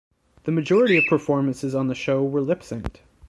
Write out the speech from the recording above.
The majority of performances on the show were lip synched.